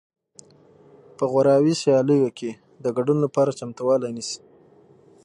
په غوراوي سیالیو کې د ګډون لپاره چمتووالی نیسي